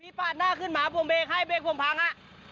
พี่ปาดหน้าขึ้นมาพรุ่งเบคใครเบคพรุ่งพังอ่ะ